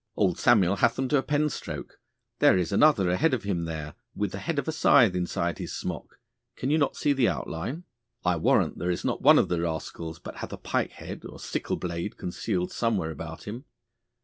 Old Samuel hath them to a penstroke! There is another ahead of him there, with the head of a scythe inside his smock. Can you not see the outline? I warrant there is not one of the rascals but hath a pike head or sickle blade concealed somewhere about him.